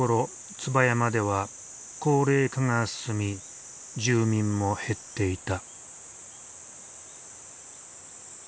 椿山では高齢化が進み住民も減っていた。